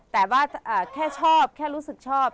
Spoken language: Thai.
แต่ว่าแค่ชอบแค่รู้สึกชอบ